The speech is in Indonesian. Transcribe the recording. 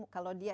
kalau dia ingin